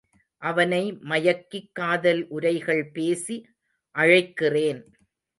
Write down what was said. அவனை மயக்கிக் காதல் உரைகள் பேசி அழைக்கிறேன்.